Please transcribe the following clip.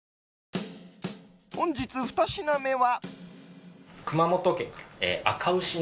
本日、２品目は。